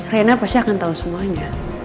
rena pasti akan tahu semuanya